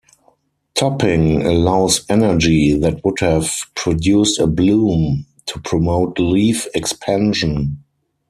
Topping allows energy that would have produced a bloom to promote leaf expansion.